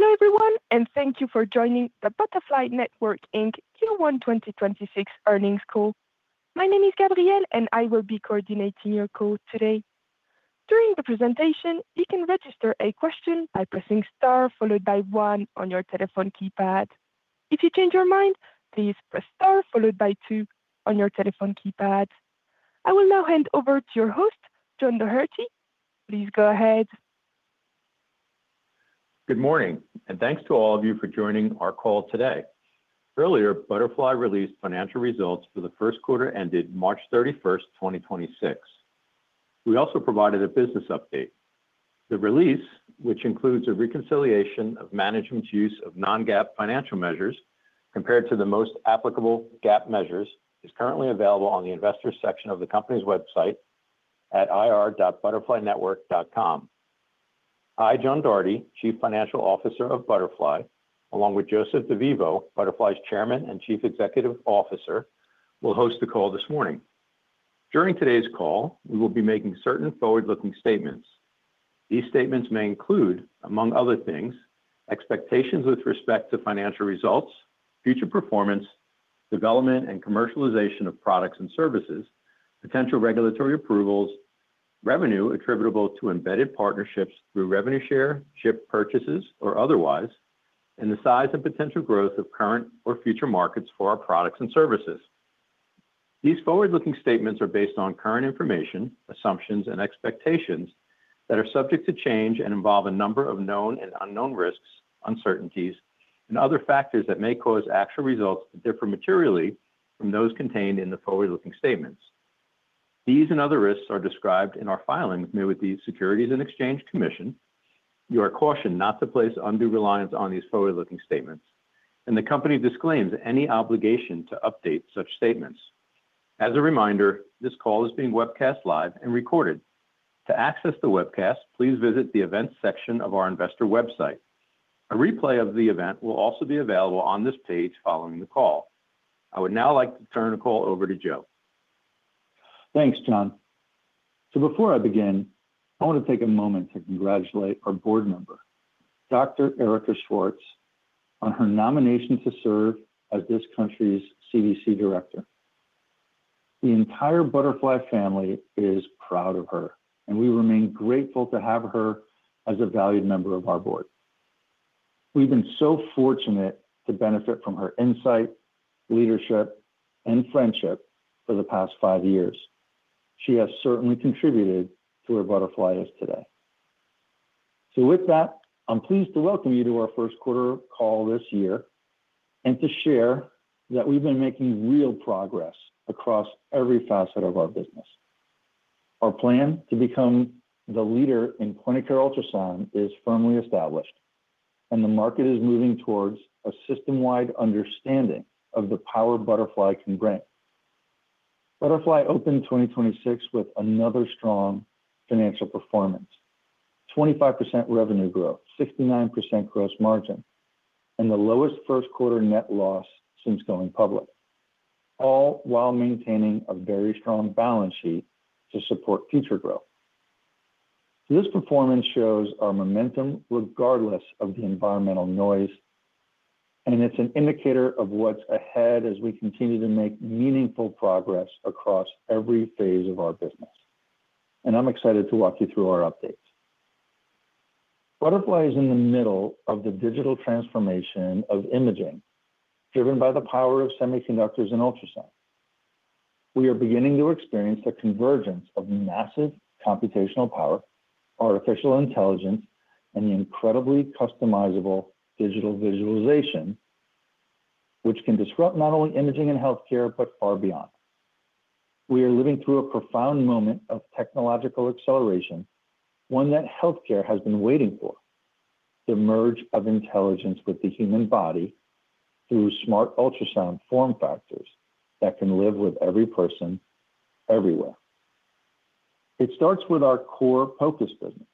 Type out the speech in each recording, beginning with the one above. Hello everyone, thank you for joining the Butterfly Network Inc Q1 2026 Earnings Call. My name is Gabrielle and I will be coordinating your call today. During the presentation, you can register a question by pressing star followed by one on your telephone keypad. If you change your mind, please press star followed by two on your telephone keypad. I will now hand over to your host, John Doherty. Please go ahead. Good morning, thanks to all of you for joining our call today. Earlier, Butterfly released financial results for the first quarter ended March 31st, 2026. We also provided a business update. The release, which includes a reconciliation of management's use of non-GAAP financial measures compared to the most applicable GAAP measures, is currently available on the investors section of the company's website at ir.butterflynetwork.com. I, John Doherty, Chief Financial Officer of Butterfly, along with Joseph DeVivo, Butterfly's Chairman and Chief Executive Officer, will host the call this morning. During today's call, we will be making certain forward-looking statements. These statements may include, among other things, expectations with respect to financial results, future performance, development and commercialization of products and services, potential regulatory approvals, revenue attributable to embedded partnerships through revenue share, ship purchases or otherwise, and the size and potential growth of current or future markets for our products and services. These forward-looking statements are based on current information, assumptions and expectations that are subject to change and involve a number of known and unknown risks, uncertainties and other factors that may cause actual results to differ materially from those contained in the forward-looking statements. These and other risks are described in our filings made with the Securities and Exchange Commission. You are cautioned not to place undue reliance on these forward-looking statements, and the company disclaims any obligation to update such statements. As a reminder, this call is being webcast live and recorded. To access the webcast, please visit the events section of our investor website. A replay of the event will also be available on this page following the call. I would now like to turn the call over to Joe. Thanks, John. Before I begin, I want to take a moment to congratulate our board member, Dr. Erica Schwartz, on her nomination to serve as this country's CDC Director. The entire Butterfly family is proud of her, and we remain grateful to have her as a valued member of our board. We've been so fortunate to benefit from her insight, leadership, and friendship for the past five years. She has certainly contributed to where Butterfly is today. With that, I'm pleased to welcome you to our first quarter call this year and to share that we've been making real progress across every facet of our business. Our plan to become the leader in clinical ultrasound is firmly established, and the market is moving towards a system-wide understanding of the power Butterfly can grant. Butterfly opened 2026 with another strong financial performance. 25% revenue growth, 69% gross margin, and the lowest first quarter net loss since going public, all while maintaining a very strong balance sheet to support future growth. This performance shows our momentum regardless of the environmental noise, and it's an indicator of what's ahead as we continue to make meaningful progress across every phase of our business. I'm excited to walk you through our updates. Butterfly is in the middle of the digital transformation of imaging driven by the power of semiconductors and ultrasound. We are beginning to experience the convergence of massive computational power, artificial intelligence, and the incredibly customizable digital visualization, which can disrupt not only imaging and healthcare, but far beyond. We are living through a profound moment of technological acceleration, one that healthcare has been waiting for. The merge of intelligence with the human body through smart ultrasound form factors that can live with every person everywhere. It starts with our core focus business,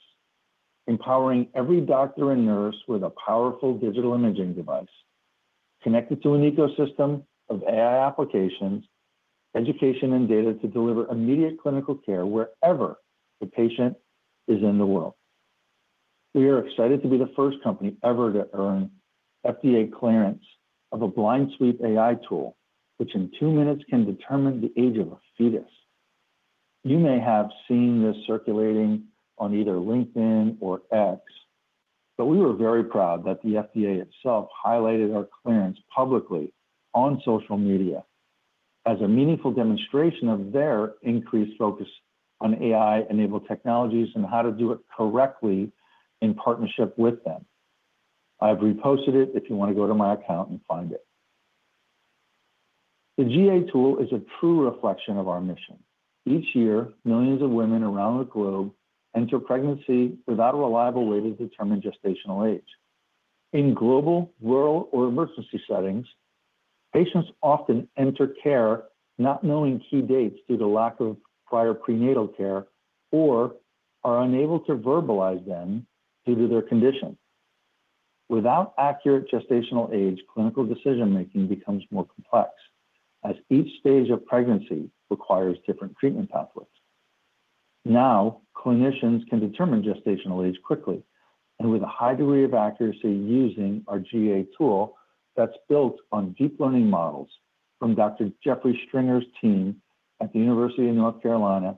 empowering every doctor and nurse with a powerful digital imaging device connected to an ecosystem of AI applications, education, and data to deliver immediate clinical care wherever the patient is in the world. We are excited to be the first company ever to earn FDA clearance of a blind sweep AI tool, which in two minutes can determine the age of a fetus. You may have seen this circulating on either LinkedIn or X, but we were very proud that the FDA itself highlighted our clearance publicly on social media as a meaningful demonstration of their increased focus on AI-enabled technologies and how to do it correctly in partnership with them. I've reposted it if you wanna go to my account and find it. The GA Tool is a true reflection of our mission. Each year, millions of women around the globe enter pregnancy without a reliable way to determine gestational age. In global, rural, or emergency settings, patients often enter care not knowing key dates due to lack of prior prenatal care or are unable to verbalize them due to their condition. Without accurate gestational age, clinical decision-making becomes more complex as each stage of pregnancy requires different treatment pathways. Now, clinicians can determine gestational age quickly and with a high degree of accuracy using our GA Tool that's built on deep learning models from Dr. Jeffrey Stringer's team at the University of North Carolina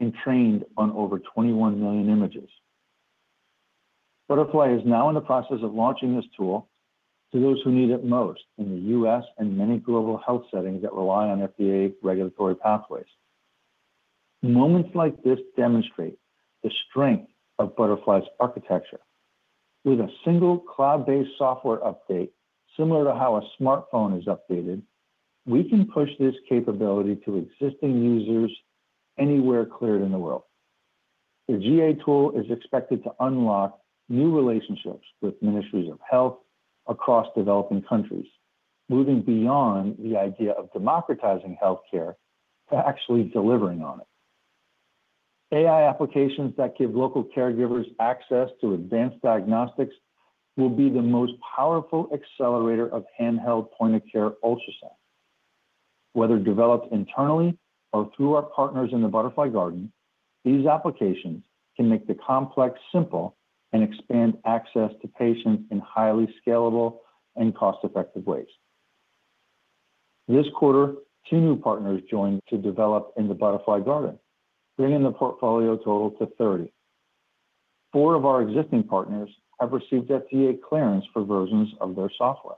and trained on over 21 million images. Butterfly is now in the process of launching this tool to those who need it most in the U.S. and many global health settings that rely on FDA regulatory pathways. Moments like this demonstrate the strength of Butterfly's architecture. With a single cloud-based software update, similar to how a smartphone is updated, we can push this capability to existing users anywhere cleared in the world. The GA Tool is expected to unlock new relationships with ministries of health across developing countries, moving beyond the idea of democratizing healthcare to actually delivering on it. AI applications that give local caregivers access to advanced diagnostics will be the most powerful accelerator of handheld point-of-care ultrasound. Whether developed internally or through our partners in the Butterfly Garden, these applications can make the complex simple and expand access to patients in highly scalable and cost-effective ways. This quarter, two new partners joined to develop in the Butterfly Garden, bringing the portfolio total to 30. Four of our existing partners have received FDA clearance for versions of their software.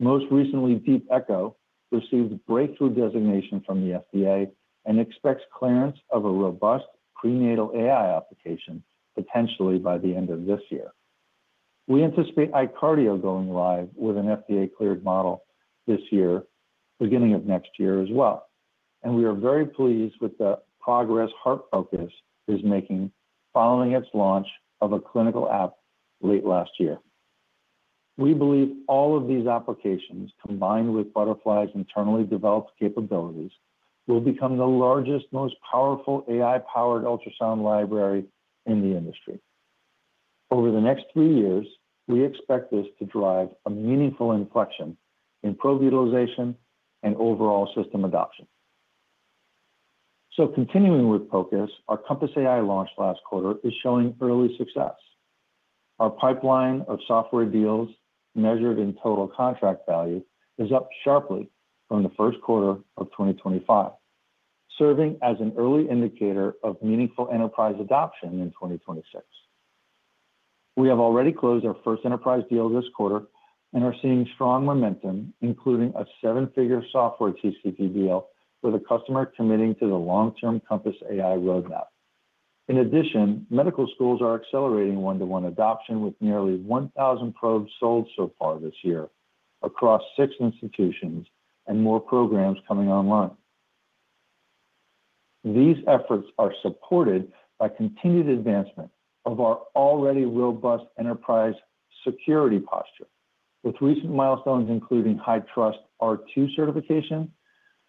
Most recently, DeepEcho received breakthrough designation from the FDA and expects clearance of a robust prenatal AI application potentially by the end of this year. We anticipate iCardio going live with an FDA-cleared model this year, beginning of next year as well. We are very pleased with the progress HeartFocus is making following its launch of a clinical app late last year. We believe all of these applications, combined with Butterfly's internally developed capabilities, will become the largest, most powerful AI-powered ultrasound library in the industry. Over the next three years, we expect this to drive a meaningful inflection in probe utilization and overall system adoption. Continuing with focus, our Compass AI launch last quarter is showing early success. Our pipeline of software deals measured in total contract value is up sharply from the first quarter of 2025, serving as an early indicator of meaningful enterprise adoption in 2026. We have already closed our first enterprise deal this quarter and are seeing strong momentum, including a seven-figure software TCV deal with a customer committing to the long-term Compass AI roadmap. In addition, medical schools are accelerating one-to-one adoption with nearly 1,000 probes sold so far this year across six institutions and more programs coming online. These efforts are supported by continued advancement of our already robust enterprise security posture, with recent milestones including HITRUST r2 certification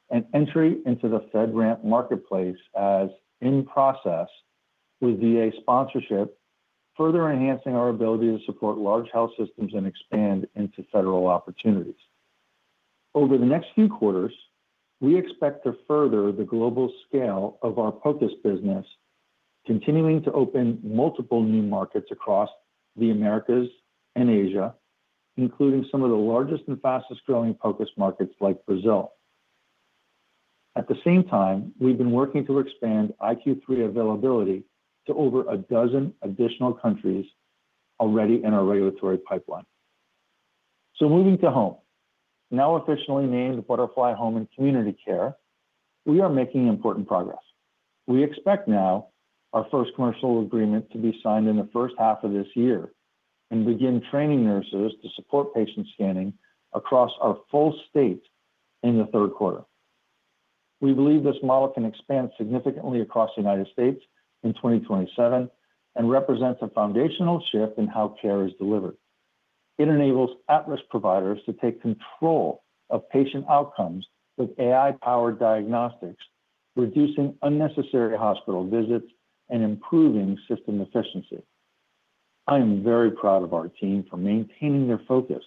and entry into the FedRAMP marketplace as in process with VA sponsorship, further enhancing our ability to support large health systems and expand into federal opportunities. Over the next few quarters, we expect to further the global scale of our POCUS business, continuing to open multiple new markets across the Americas and Asia, including some of the largest and fastest-growing POCUS markets like Brazil. At the same time, we've been working to expand iQ3 availability to over a dozen additional countries already in our regulatory pipeline. Moving to Home. Now officially named Butterfly Home and Community Care, we are making important progress. We expect now our first commercial agreement to be signed in the first half of this year and begin training nurses to support patient scanning across our full state in the third quarter. We believe this model can expand significantly across the United States in 2027 and represents a foundational shift in how care is delivered. It enables Atlas providers to take control of patient outcomes with AI-powered diagnostics, reducing unnecessary hospital visits and improving system efficiency. I am very proud of our team for maintaining their focus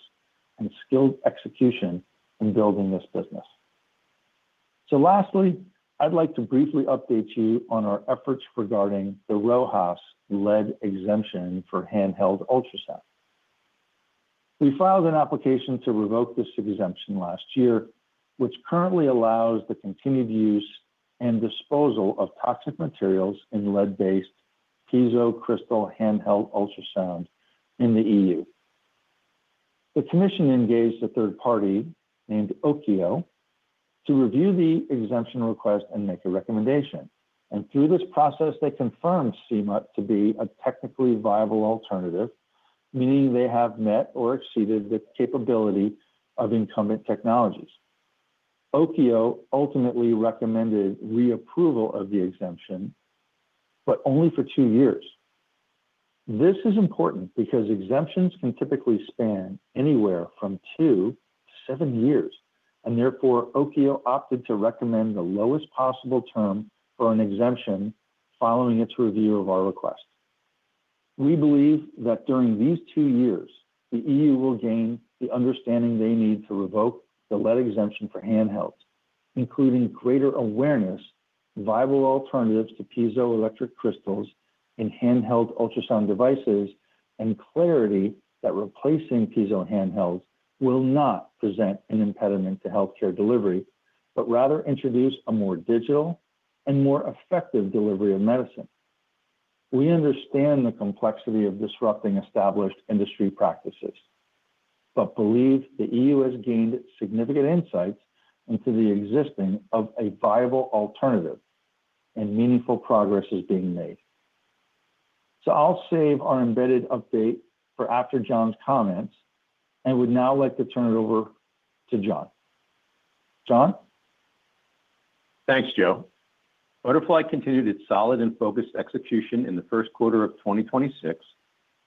and skilled execution in building this business. Lastly, I'd like to briefly update you on our efforts regarding the RoHS lead exemption for handheld ultrasound. We filed an application to revoke this exemption last year, which currently allows the continued use and disposal of toxic materials in lead-based piezo crystal handheld ultrasound in the EU. The commission engaged a third party named Oeko to review the exemption request and make a recommendation. Through this process, they confirmed CMUT to be a technically viable alternative, meaning they have met or exceeded the capability of incumbent technologies. Oeko ultimately recommended reapproval of the exemption, only for two years. This is important because exemptions can typically span anywhere from two to seven years. Therefore, Oeko opted to recommend the lowest possible term for an exemption following its review of our request. We believe that during these two years, the EU will gain the understanding they need to revoke the lead exemption for handhelds, including greater awareness, viable alternatives to piezoelectric crystals in handheld ultrasound devices, and clarity that replacing piezo handhelds will not present an impediment to healthcare delivery, rather introduce a more digital and more effective delivery of medicine. We understand the complexity of disrupting established industry practices, but believe the EU has gained significant insights into the existence of a viable alternative and meaningful progress is being made. I'll save our Embedded update for after John's comments and would now like to turn it over to John. John? Thanks, Joe. Butterfly continued its solid and focused execution in the first quarter of 2026,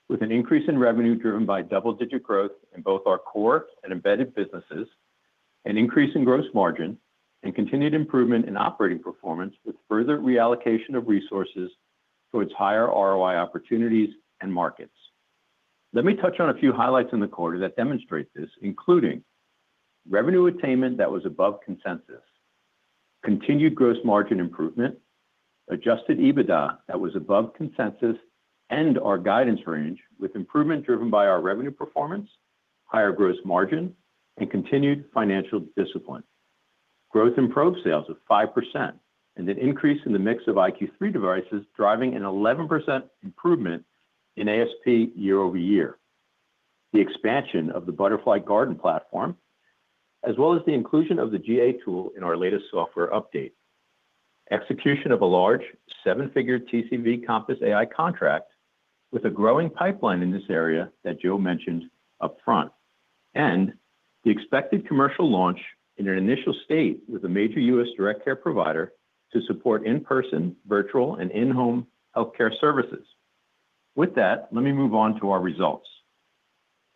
with an increase in revenue driven by double-digit growth in both our core and embedded businesses, an increase in gross margin, and continued improvement in operating performance with further reallocation of resources towards higher ROI opportunities and markets. Let me touch on a few highlights in the quarter that demonstrate this, including revenue attainment that was above consensus, continued gross margin improvement, adjusted EBITDA that was above consensus and our guidance range with improvement driven by our revenue performance, higher gross margin and continued financial discipline. Growth in probe sales of 5% and an increase in the mix of iQ3 devices, driving an 11% improvement in ASP year-over-year. The expansion of the Butterfly Garden platform, as well as the inclusion of the GA Tool in our latest software update. Execution of a large seven-figure TCV Compass AI contract with a growing pipeline in this area that Joe mentioned upfront. The expected commercial launch in an initial state with a major U.S. direct care provider to support in-person, virtual, and in-home healthcare services. With that, let me move on to our results.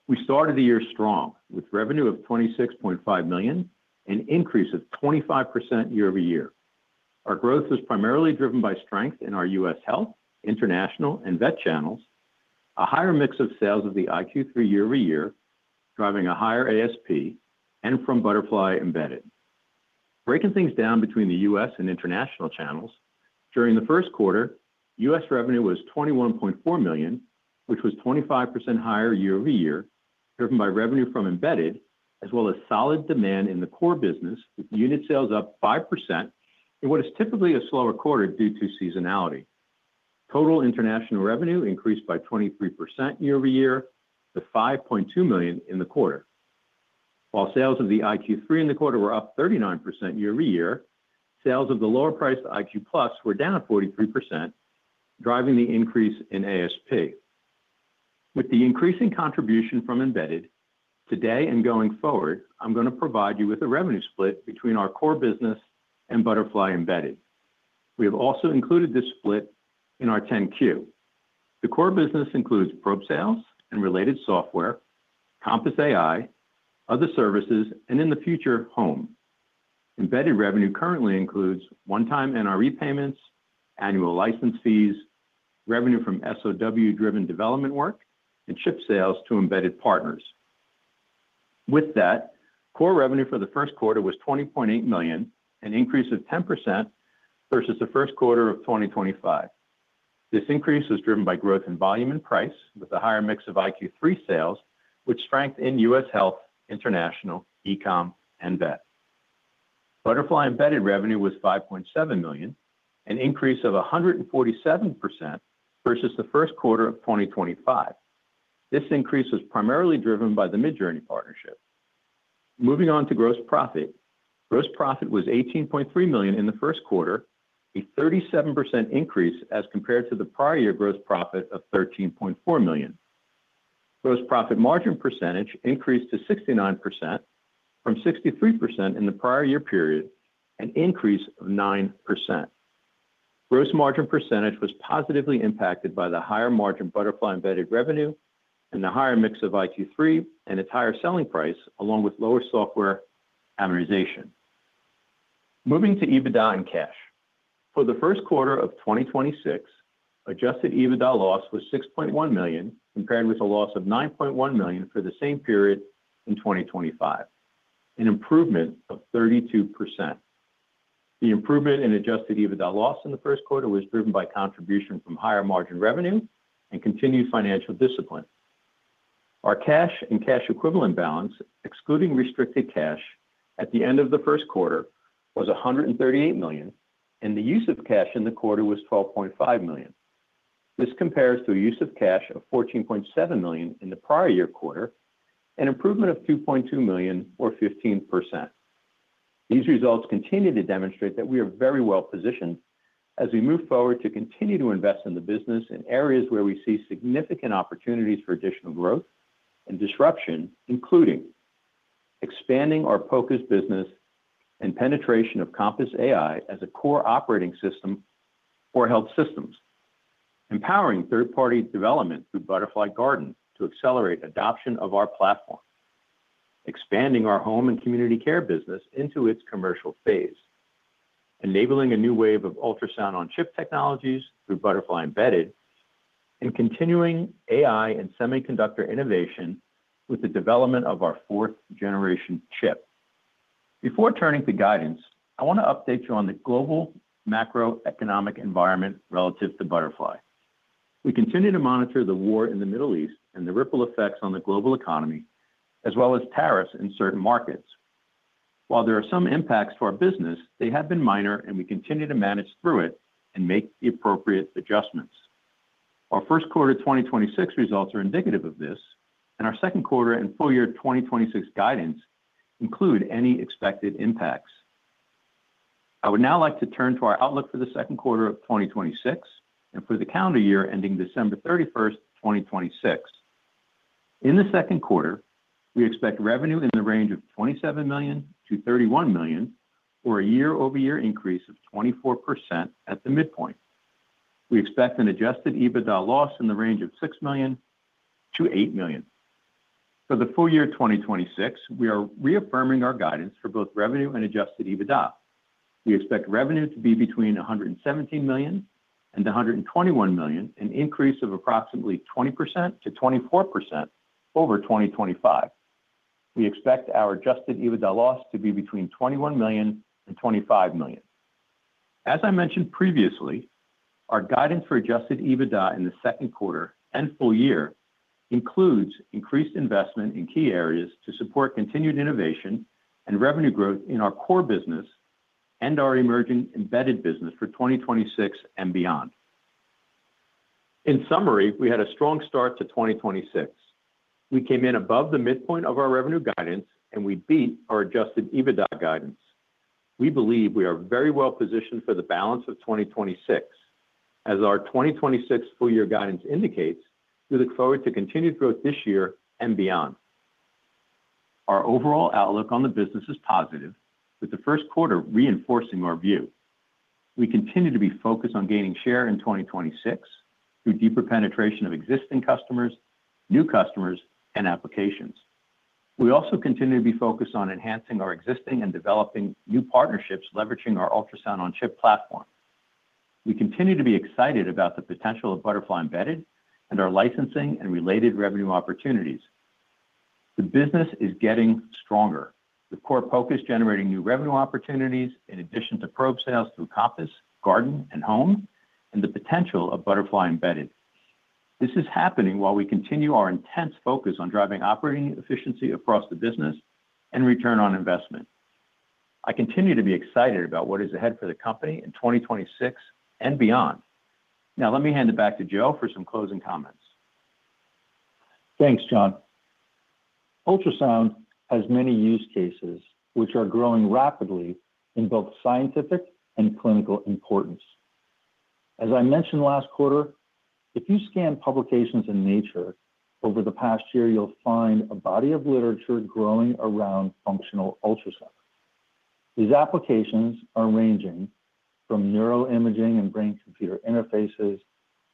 We started the year strong, with revenue of $26.5 million, an increase of 25% year-over-year. Our growth was primarily driven by strength in our U.S. health, international, and vet channels, a higher mix of sales of the iQ3 year-over-year, driving a higher ASP and from Butterfly Embedded. Breaking things down between the U.S. and international channels, during the first quarter, U.S. revenue was $21.4 million, which was 25% higher year-over-year, driven by revenue from Embedded, as well as solid demand in the core business, with unit sales up 5% in what is typically a slower quarter due to seasonality. Total international revenue increased by 23% year-over-year to $5.2 million in the quarter. While sales of the iQ3 in the quarter were up 39% year-over-year, sales of the lower priced iQ+ were down 43%, driving the increase in ASP. With the increasing contribution from Embedded, today and going forward, I'm gonna provide you with a revenue split between our core business and Butterfly Embedded. We have also included this split in our 10-Q. The core business includes probe sales and related software, Compass AI, other services, and in the future, home. Embedded revenue currently includes one-time NRE payments, annual license fees, revenue from SOW-driven development work, and chip sales to Embedded partners. With that, core revenue for the first quarter was $20.8 million, an increase of 10% versus the first quarter of 2025. This increase was driven by growth in volume and price with a higher mix of iQ3 sales, with strength in U.S. health, international, e-com, and vet. Butterfly Embedded revenue was $5.7 million, an increase of 147% versus the first quarter of 2025. This increase was primarily driven by the Midjourney partnership. Moving on to gross profit. Gross profit was $18.3 million in the first quarter, a 37% increase as compared to the prior year gross profit of $13.4 million. Gross profit margin percentage increased to 69% from 63% in the prior year period, an increase of 9%. Gross margin percentage was positively impacted by the higher margin Butterfly Embedded revenue and the higher mix of iQ3 and its higher selling price, along with lower software amortization. Moving to EBITDA and cash. For the first quarter of 2026, adjusted EBITDA loss was $6.1 million, compared with a loss of $9.1 million for the same period in 2025, an improvement of 32%. The improvement in adjusted EBITDA loss in the first quarter was driven by contribution from higher margin revenue and continued financial discipline. Our cash and cash equivalent balance, excluding restricted cash, at the end of the first quarter was $138 million, and the use of cash in the quarter was $12.5 million. This compares to a use of cash of $14.7 million in the prior year quarter, an improvement of $2.2 million or 15%. These results continue to demonstrate that we are very well positioned as we move forward to continue to invest in the business in areas where we see significant opportunities for additional growth and disruption, including expanding our POCUS business and penetration of Compass AI as a core operating system for health systems, empowering third-party development through Butterfly Garden to accelerate adoption of our platform. Expanding our Home and Community Care business into its commercial phase. Enabling a new wave of ultrasound on chip technologies through Butterfly Embedded, and continuing AI and semiconductor innovation with the development of our fourth generation chip. Before turning to guidance, I want to update you on the global macroeconomic environment relative to Butterfly. We continue to monitor the war in the Middle East and the ripple effects on the global economy, as well as tariffs in certain markets. While there are some impacts to our business, they have been minor, and we continue to manage through it and make the appropriate adjustments. Our first quarter 2026 results are indicative of this, and our second quarter and full year 2026 guidance include any expected impacts. I would now like to turn to our outlook for the second quarter of 2026 and for the calendar year ending December 31st, 2026. In the second quarter, we expect revenue in the range of $27 million-$31 million, or a year-over-year increase of 24% at the midpoint. We expect an adjusted EBITDA loss in the range of $6 million-$8 million. For the full year 2026, we are reaffirming our guidance for both revenue and adjusted EBITDA. We expect revenue to be between $117 million and $121 million, an increase of approximately 20%-24% over 2025. We expect our adjusted EBITDA loss to be between $21 million and $25 million. As I mentioned previously, our guidance for adjusted EBITDA in the second quarter and full year includes increased investment in key areas to support continued innovation and revenue growth in our core business and our emerging Embedded business for 2026 and beyond. In summary, we had a strong start to 2026. We came in above the midpoint of our revenue guidance, and we beat our adjusted EBITDA guidance. We believe we are very well positioned for the balance of 2026. As our 2026 full year guidance indicates, we look forward to continued growth this year and beyond. Our overall outlook on the business is positive, with the first quarter reinforcing our view. We continue to be focused on gaining share in 2026 through deeper penetration of existing customers, new customers and applications. We also continue to be focused on enhancing our existing and developing new partnerships leveraging our ultrasound on chip platform. We continue to be excited about the potential of Butterfly Embedded and our licensing and related revenue opportunities. The business is getting stronger, with core focus generating new revenue opportunities in addition to probe sales through Compass, Garden, and Home and the potential of Butterfly Embedded. This is happening while we continue our intense focus on driving operating efficiency across the business and return on investment. I continue to be excited about what is ahead for the company in 2026 and beyond. Let me hand it back to Joe for some closing comments. Thanks, John. Ultrasound has many use cases which are growing rapidly in both scientific and clinical importance. As I mentioned last quarter, if you scan publications in Nature over the past year, you'll find a body of literature growing around functional ultrasound. These applications are ranging from neural imaging and brain computer interfaces,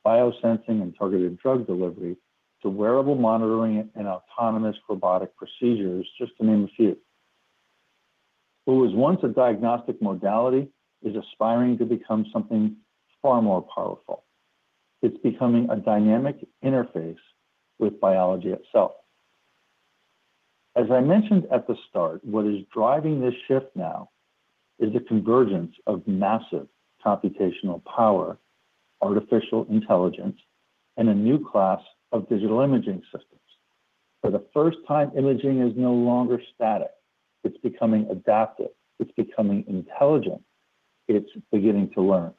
biosensing and targeted drug delivery to wearable monitoring and autonomous robotic procedures, just to name a few. What was once a diagnostic modality is aspiring to become something far more powerful. It's becoming a dynamic interface with biology itself. As I mentioned at the start, what is driving this shift now is a convergence of massive computational power, artificial intelligence, and a new class of digital imaging systems. For the first time, imaging is no longer static. It's becoming adaptive. It's becoming intelligent. It's beginning to learn.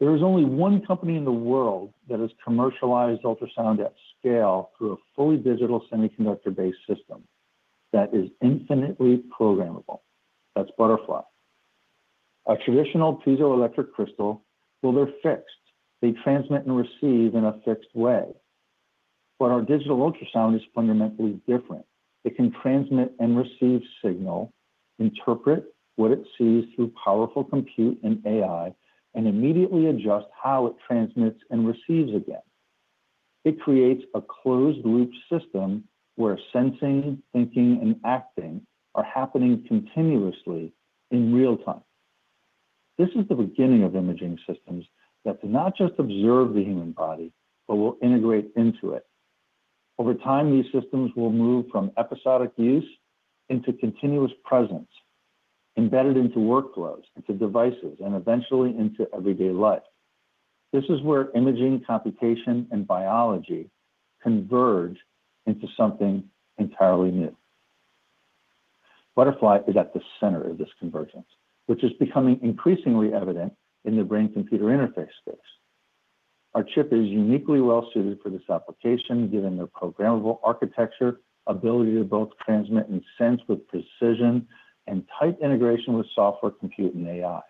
There is only one company in the world that has commercialized ultrasound at scale through a fully digital semiconductor-based system that is infinitely programmable. That's Butterfly. A traditional piezoelectric crystal, well, they're fixed. They transmit and receive in a fixed way. Our digital ultrasound is fundamentally different. It can transmit and receive signal, interpret what it sees through powerful compute and AI, and immediately adjust how it transmits and receives again. It creates a closed-loop system where sensing, thinking, and acting are happening continuously in real time. This is the beginning of imaging systems that do not just observe the human body, but will integrate into it. Over time, these systems will move from episodic use into continuous presence, embedded into workflows, into devices, and eventually into everyday life. This is where imaging, computation, and biology converge into something entirely new. Butterfly is at the center of this convergence, which is becoming increasingly evident in the brain-computer interface space. Our chip is uniquely well-suited for this application, given their programmable architecture, ability to both transmit and sense with precision, and tight integration with software, compute, and AI.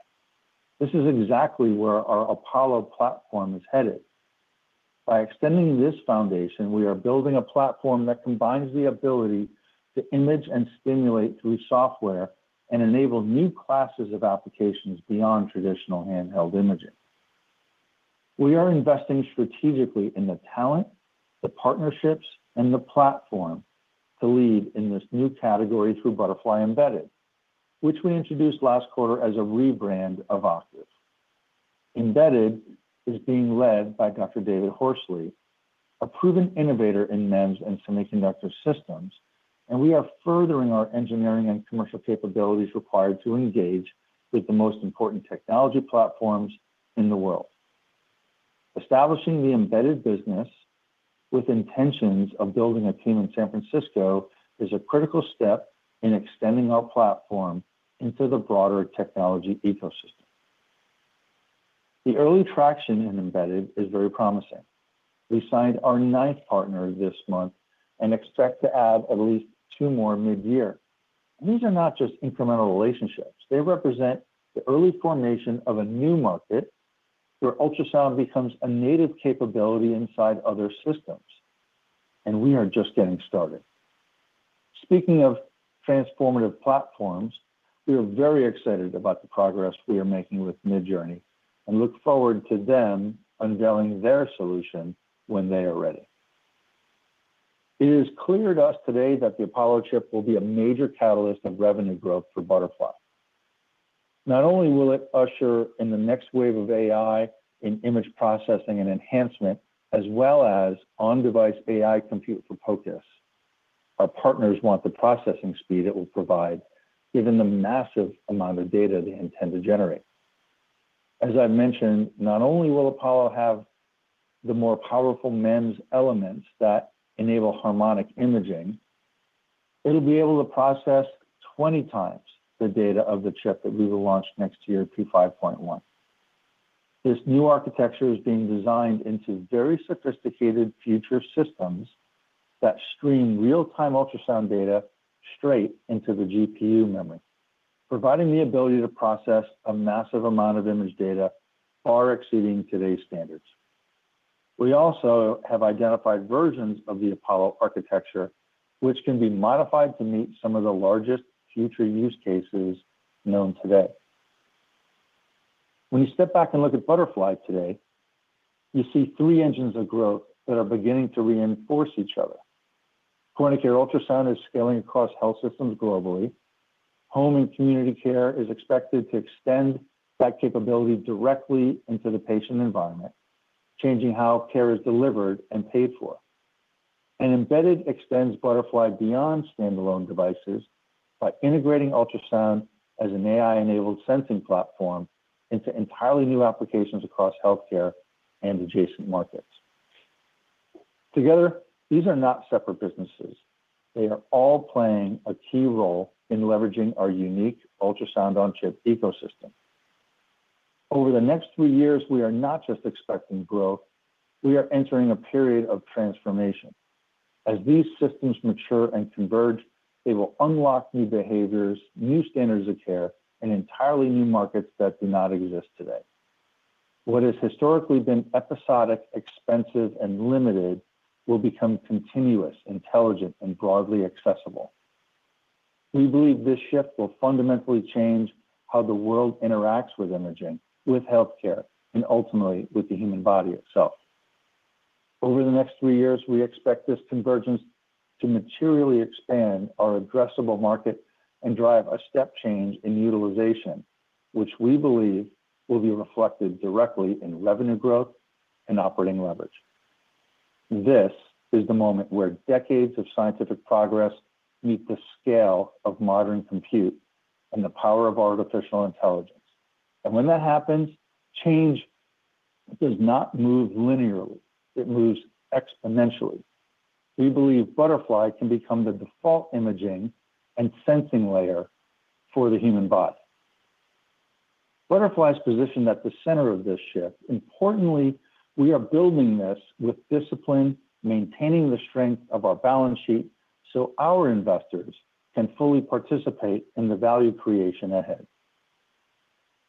This is exactly where our Apollo platform is headed. By extending this foundation, we are building a platform that combines the ability to image and stimulate through software and enable new classes of applications beyond traditional handheld imaging. We are investing strategically in the talent, the partnerships, and the platform to lead in this new category through Butterfly Embedded, which we introduced last quarter as a rebrand of [Oculus]. Embedded is being led by Dr. David Horsley, a proven innovator in MEMS and semiconductor systems, and we are furthering our engineering and commercial capabilities required to engage with the most important technology platforms in the world. Establishing the embedded business with intentions of building a team in San Francisco is a critical step in extending our platform into the broader technology ecosystem. The early traction in embedded is very promising. We signed our ninth partner this month and expect to add at least two more mid-year. These are not just incremental relationships. They represent the early formation of a new market where ultrasound becomes a native capability inside other systems. We are just getting started. Speaking of transformative platforms, we are very excited about the progress we are making with Midjourney and look forward to them unveiling their solution when they are ready. It is clear to us today that the Apollo chip will be a major catalyst of revenue growth for Butterfly. Not only will it usher in the next wave of AI in image processing and enhancement, as well as on-device AI compute for POCUS. Our partners want the processing speed it will provide given the massive amount of data they intend to generate. As I mentioned, not only will Apollo have the more powerful MEMS elements that enable harmonic imaging, it'll be able to process 20 times the data of the chip that we will launch next year, P5.1. This new architecture is being designed into very sophisticated future systems that stream real-time ultrasound data straight into the GPU memory, providing the ability to process a massive amount of image data far exceeding today's standards. We also have identified versions of the Apollo architecture which can be modified to meet some of the largest future use cases known today. When you step back and look at Butterfly today, you see three engines of growth that are beginning to reinforce each other. Chronic care ultrasound is scaling across health systems globally. Home and Community Care is expected to extend that capability directly into the patient environment, changing how care is delivered and paid for. Embedded extends Butterfly beyond standalone devices by integrating ultrasound as an AI-enabled sensing platform into entirely new applications across healthcare and adjacent markets. Together, these are not separate businesses. They are all playing a key role in leveraging our unique ultrasound on-chip ecosystem. Over the next three years, we are not just expecting growth. We are entering a period of transformation. As these systems mature and converge, they will unlock new behaviors, new standards of care, and entirely new markets that do not exist today. What has historically been episodic, expensive, and limited will become continuous, intelligent, and broadly accessible. We believe this shift will fundamentally change how the world interacts with imaging, with healthcare, and ultimately with the human body itself. Over the next three years, we expect this convergence to materially expand our addressable market and drive a step change in utilization, which we believe will be reflected directly in revenue growth and operating leverage. This is the moment where decades of scientific progress meet the scale of modern compute and the power of artificial intelligence. When that happens, change does not move linearly. It moves exponentially. We believe Butterfly can become the default imaging and sensing layer for the human body. Butterfly's positioned at the center of this shift. Importantly, we are building this with discipline, maintaining the strength of our balance sheet so our investors can fully participate in the value creation ahead.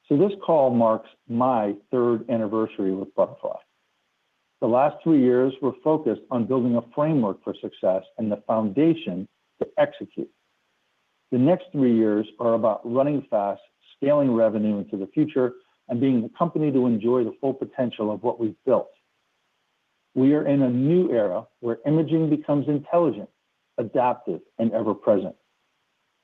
This call marks my third anniversary with Butterfly. The last two years were focused on building a framework for success and the foundation to execute. The next three years are about running fast, scaling revenue into the future, and being the company to enjoy the full potential of what we've built. We are in a new era where imaging becomes intelligent, adaptive, and ever-present,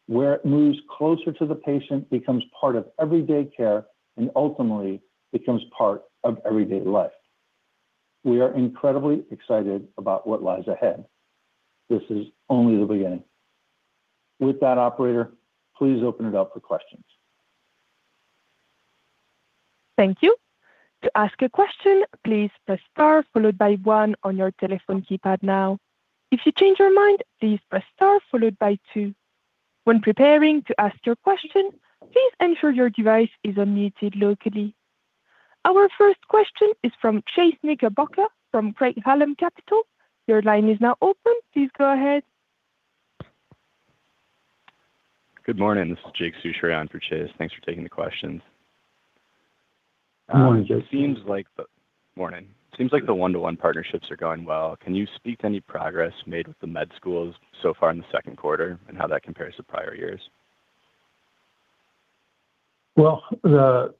where it moves closer to the patient, becomes part of everyday care, and ultimately becomes part of everyday life. We are incredibly excited about what lies ahead. This is only the beginning. With that, operator, please open it up for questions. Thank you. To ask a question, please press star followed by one on your telephone keypad now. If you change your mind, please press star followed by two. When preparing to ask a question, please enter your device. Our first question is from Chase Knickerbocker from Craig-Hallum Capital. Your line is now open. Please go ahead. Good morning. This is Jake Soucheray for Chase. Thanks for taking the questions. Good morning, Jake. Morning. It seems like the one-to-one partnerships are going well. Can you speak to any progress made with the med schools so far in the second quarter and how that compares to prior years? Well, the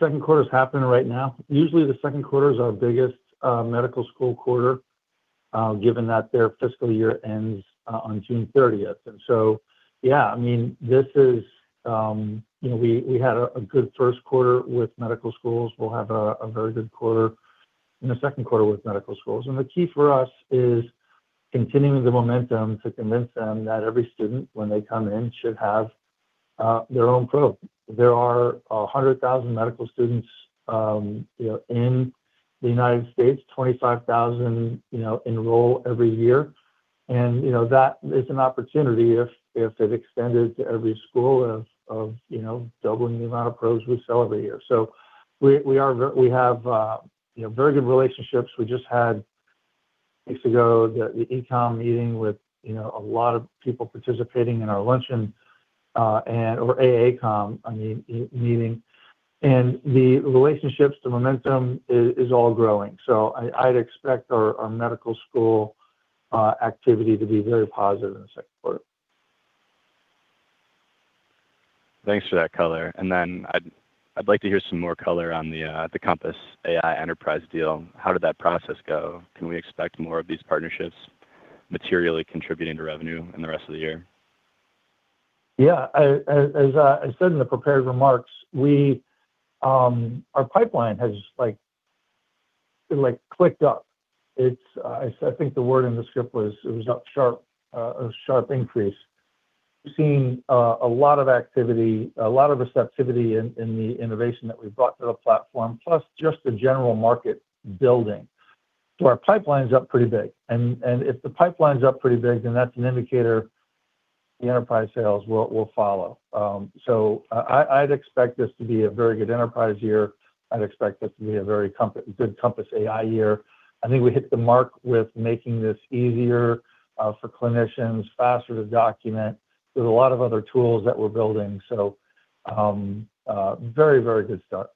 second quarter is happening right now. Usually, the second quarter is our biggest medical school quarter, given that their fiscal year ends on June 30th. Yeah, I mean, this is, you know, we had a good first quarter with medical schools. We'll have a very good quarter in the second quarter with medical schools. The key for us is continuing the momentum to convince them that every student when they come in should have their own probe. There are 100,000 medical students, you know, in the United States, 25,000, you know, enroll every year. You know, that is an opportunity if it extended to every school of, you know, doubling the amount of probes we sell every year. We have, you know, very good relationships. We just had, weeks ago, the AACOM meeting with, you know, a lot of people participating in our luncheon, or AACOM, I mean, e-meeting. The relationships, the momentum is all growing. I'd expect our medical school activity to be very positive in the second quarter. Thanks for that color. Then I'd like to hear some more color on the Compass AI enterprise deal. How did that process go? Can we expect more of these partnerships materially contributing to revenue in the rest of the year? Yeah. As I said in the prepared remarks, we... Our pipeline has, like, clicked up. It's, I think the word in the script was it was a sharp increase. We've seen a lot of activity, a lot of receptivity in the innovation that we've brought to the platform, plus just the general market building. Our pipeline's up pretty big. If the pipeline's up pretty big, then that's an indicator the enterprise sales will follow. I'd expect this to be a very good enterprise year. I'd expect this to be a very good Compass AI year. I think we hit the mark with making this easier for clinicians, faster to document. There's a lot of other tools that we're building. Very good start.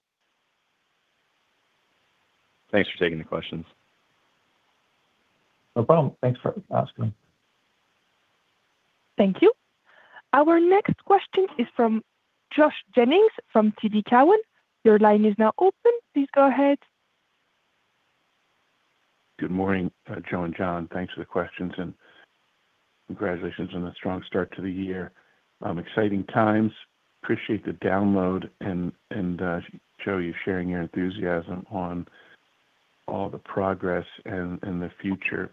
Thanks for taking the questions. No problem. Thanks for asking. Thank you. Our next question is from Josh Jennings from TD Cowen. Your line is now open. Please go ahead. Good morning, Joe and John. Thanks for the questions, and congratulations on the strong start to the year. Exciting times. Appreciate the download, and Joe, you sharing your enthusiasm on all the progress and the future.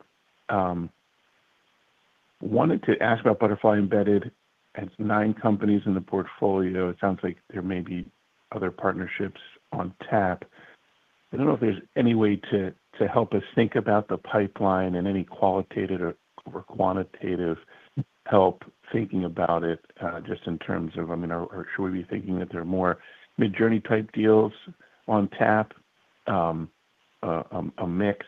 Wanted to ask about Butterfly Embedded. It's nine companies in the portfolio. It sounds like there may be other partnerships on tap. I don't know if there's any way to help us think about the pipeline and any qualitative or quantitative help thinking about it, just in terms of, I mean, or should we be thinking that there are more Midjourney-type deals on tap? A mix,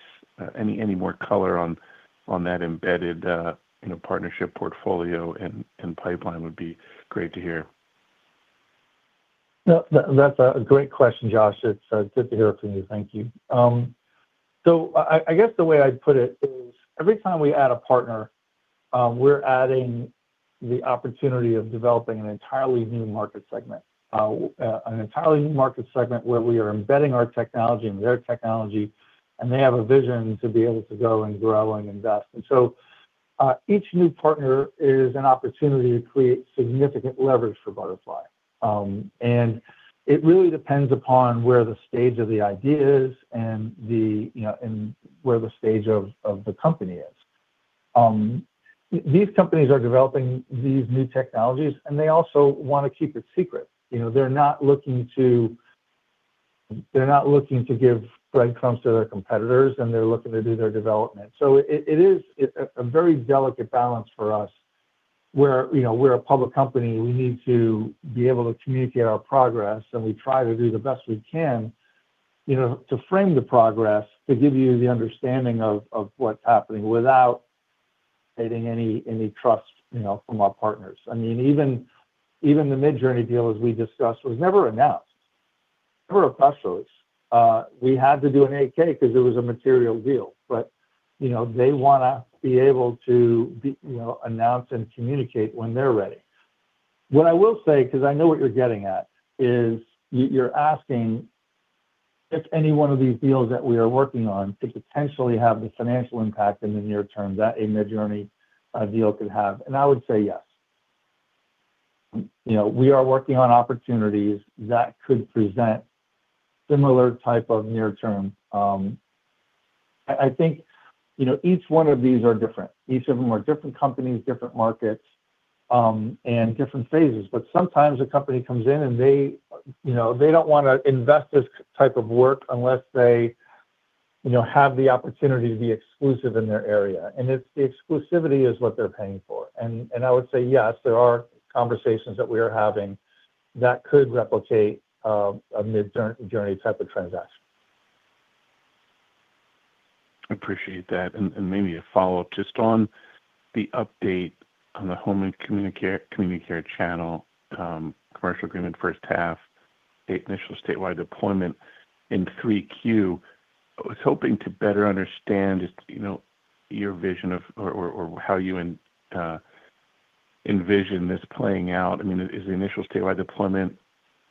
any more color on that embedded, you know, partnership portfolio and pipeline would be great to hear. No, that's a great question, Josh. It's good to hear from you. Thank you. I guess the way I'd put it is every time we add a partner, we're adding the opportunity of developing an entirely new market segment. An entirely new market segment where we are embedding our technology and their technology. They have a vision to be able to go and grow and invest. Each new partner is an opportunity to create significant leverage for Butterfly. It really depends upon where the stage of the idea is and the, you know, and where the stage of the company is. These companies are developing these new technologies. They also wanna keep it secret. You know, they're not looking to, they're not looking to give breadcrumbs to their competitors. They're looking to do their development. It is a very delicate balance for us where, you know, we're a public company. We need to be able to communicate our progress. We try to do the best we can, you know, to frame the progress to give you the understanding of what's happening without creating any trust, you know, from our partners. I mean, even the Midjourney deal, as we discussed, was never announced. Never a press release. We had to do an 8-K 'cause it was a material deal. They wanna be able to announce and communicate when they're ready. What I will say, 'cause I know what you're getting at, is you're asking if any one of these deals that we are working on could potentially have the financial impact in the near term that a Midjourney deal could have. I would say yes. You know, we are working on opportunities that could present similar type of near-term. I think, you know, each one of these are different. Each of them are different companies, different markets, and different phases. Sometimes a company comes in and they, you know, they don't wanna invest this type of work unless they, you know, have the opportunity to be exclusive in their area. The exclusivity is what they're paying for. I would say yes, there are conversations that we are having that could replicate a Midjourney type of transaction. Appreciate that. Maybe a follow-up just on the update on the Home and Community Care channel, commercial agreement first half. The initial statewide deployment in 3Q. I was hoping to better understand, you know, your vision of or how you envision this playing out. I mean, is the initial statewide deployment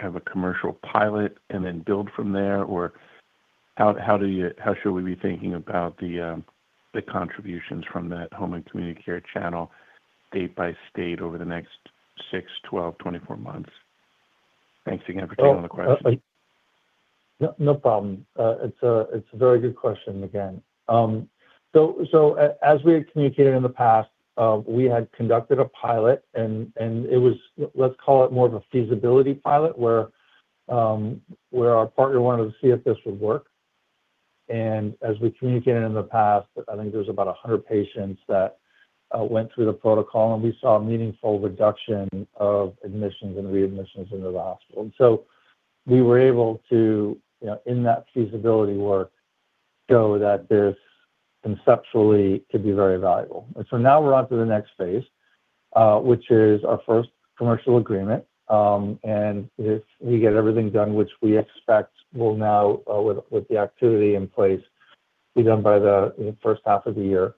have a commercial pilot and then build from there? Or how should we be thinking about the contributions from that Home and Community Care channel state by state over the next six, 12, 24 months? Thanks again for taking the question. No, no problem. It's a very good question again. As we had communicated in the past, we had conducted a pilot, and it was, let's call it more of a feasibility pilot where our partner wanted to see if this would work. As we communicated in the past, I think there was about 100 patients that went through the protocol, and we saw a meaningful reduction of admissions and readmissions into the hospital. We were able to, you know, in that feasibility work, show that this conceptually could be very valuable. Now we're onto the next phase, which is our first commercial agreement. If we get everything done, which we expect will now, with the activity in place, be done by the first half of the year.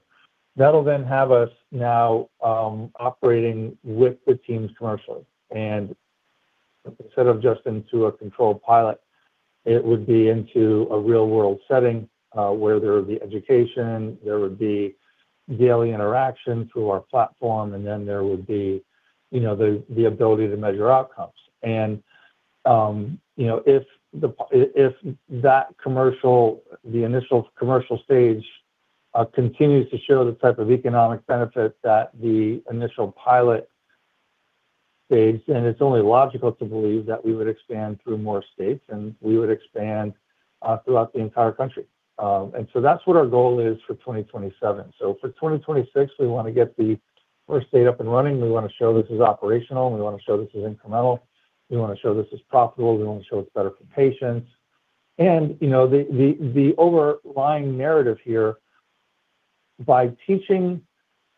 That'll have us now operating with the teams commercially. Instead of just into a controlled pilot, it would be into a real-world setting, where there would be education, there would be daily interaction through our platform, there would be the ability to measure outcomes. If that commercial, the initial commercial stage, continues to show the type of economic benefit that the initial pilot phase, it's only logical to believe that we would expand through more states, we would expand throughout the entire country. That's what our goal is for 2027. For 2026, we wanna get the first state up and running. We wanna show this is operational. We wanna show this is incremental. We wanna show this is profitable. We wanna show it's better for patients. You know, the, the overlying narrative here by teaching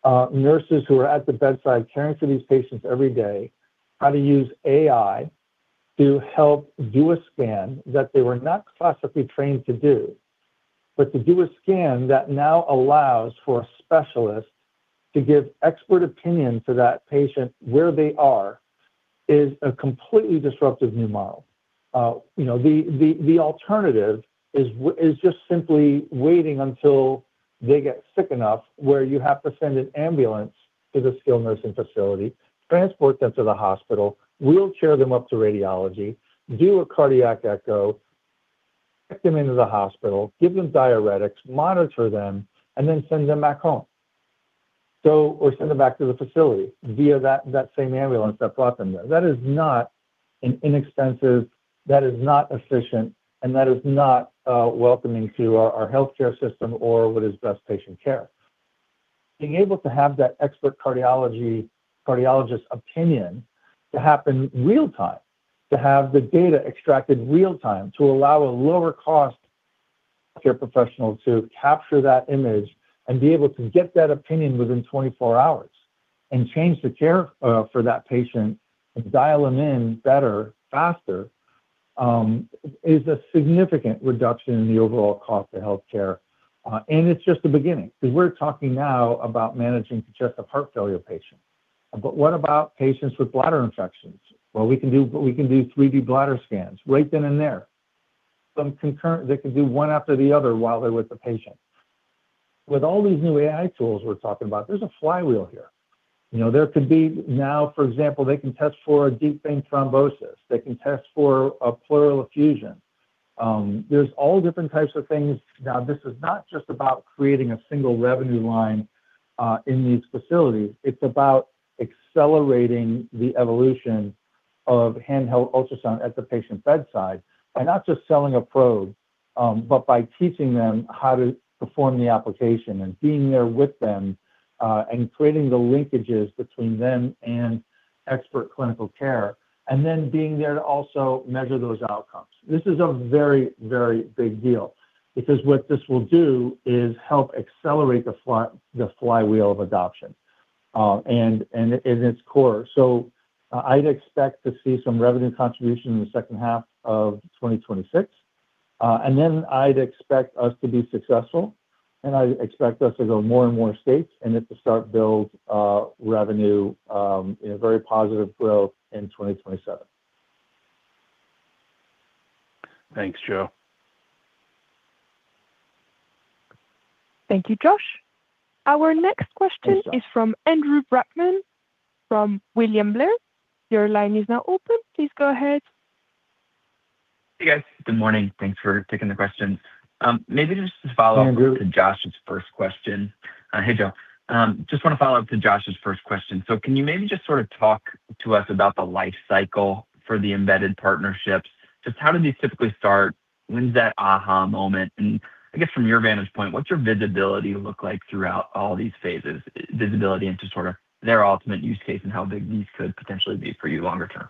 nurses who are at the bedside caring for these patients every day how to use AI to help do a scan that they were not classically trained to do, but to do a scan that now allows for a specialist to give expert opinion to that patient where they are is a completely disruptive new model. You know, the alternative is just simply waiting until they get sick enough where you have to send an ambulance to the skilled nursing facility, transport them to the hospital, wheelchair them up to radiology, do a cardiac echo, get them into the hospital, give them diuretics, monitor them, and then send them back home. send them back to the facility via that same ambulance that brought them there. That is not an inexpensive, that is not efficient, and that is not welcoming to our healthcare system or what is best patient care. Being able to have that expert cardiologist opinion to happen real time, to have the data extracted real time, to allow a lower cost care professional to capture that image and be able to get that opinion within 24 hours and change the care for that patient and dial them in better, faster, is a significant reduction in the overall cost of healthcare. It's just the beginning 'cause we're talking now about managing congestive heart failure patients. What about patients with bladder infections? Well, we can do 3D bladder scans right then and there. They can do one after the other while they're with the patient. With all these new AI tools we're talking about, there's a flywheel here. You know, now, for example, they can test for a deep vein thrombosis. They can test for a pleural effusion. There's all different types of things. Now, this is not just about creating a single revenue line in these facilities. It's about accelerating the evolution of handheld ultrasound at the patient's bedside by not just selling a probe, but by teaching them how to perform the application and being there with them, and creating the linkages between them and expert clinical care, and then being there to also measure those outcomes. This is a very, very big deal because what this will do is help accelerate the flywheel of adoption and in its core. I'd expect to see some revenue contribution in the second half of 2026. I'd expect us to be successful, and I expect us to go more and more states and then to start build revenue in a very positive growth in 2027. Thanks, Joe. Thank you, Josh. Our next question. Thanks, Josh. is from Andrew Brackmann from William Blair. Hey, guys. Good morning. Thanks for taking the questions. Maybe just to follow up. Yeah, Andrew.... to Josh's first question. Hey, Joe. Just wanna follow up to Josh's first question. Can you maybe just sort of talk to us about the life cycle for the Embedded partnerships? Just how do these typically start? When's that aha moment? I guess from your vantage point, what's your visibility look like throughout all these phases, visibility into sort of their ultimate use case and how big these could potentially be for you longer term?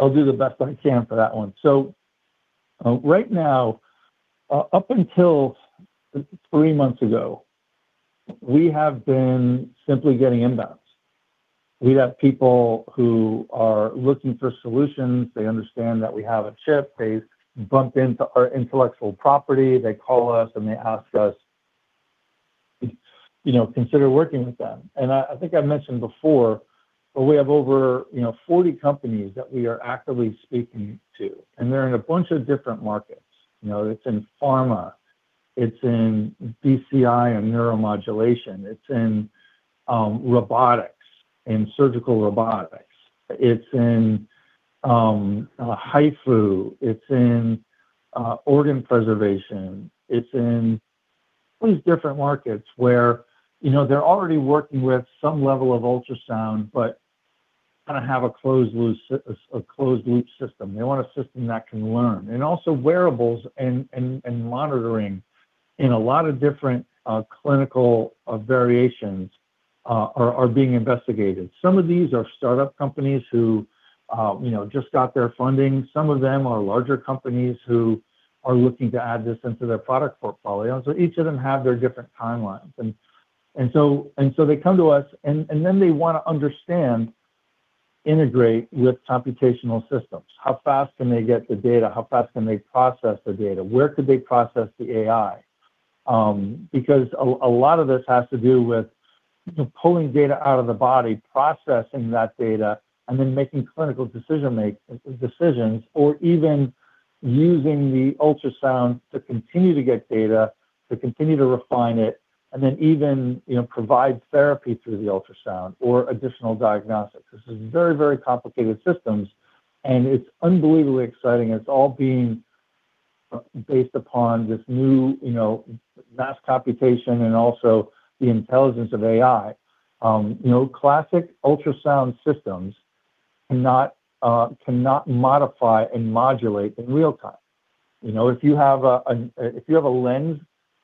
I'll do the best I can for that one. Right now, up until three months ago, we have been simply getting inbounds. We have people who are looking for solutions. They understand that we have a chip. They've bumped into our intellectual property. They call us and they ask us, you know, consider working with them. I think I mentioned before, but we have over, you know, 40 companies that we are actively speaking to, and they're in a bunch of different markets. You know, it's in pharma, it's in BCI and neuromodulation, it's in robotics and surgical robotics. It's in HIFU. It's in organ preservation. It's in all these different markets where, you know, they're already working with some level of ultrasound, but kinda have a closed loop system. They want a system that can learn. Also wearables and monitoring in a lot of different clinical variations are being investigated. Some of these are startup companies who, you know, just got their funding. Some of them are larger companies who are looking to add this into their product portfolio. Each of them have their different timelines. They come to us and then they wanna understand integrate with computational systems. How fast can they get the data? How fast can they process the data? Where could they process the AI? Because a lot of this has to do with pulling data out of the body, processing that data, and then making clinical decisions, or even using the ultrasound to continue to get data, to continue to refine it, and then even, you know, provide therapy through the ultrasound or additional diagnostics. This is very, very complicated systems, and it's unbelievably exciting. It's all being based upon this new, you know, mass computation and also the intelligence of AI. You know, classic ultrasound systems cannot modify and modulate in real time. You know, if you have a lens